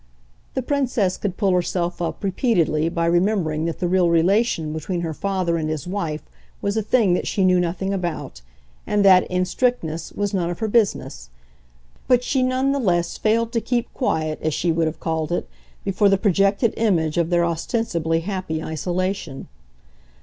The Princess could pull herself up, repeatedly, by remembering that the real "relation" between her father and his wife was a thing that she knew nothing about and that, in strictness, was none of her business; but she none the less failed to keep quiet, as she would have called it, before the projected image of their ostensibly happy isolation.